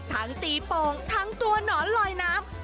ตีโป่งทั้งตัวหนอนลอยน้ำ